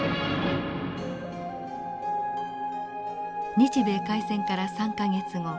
日米開戦から３か月後。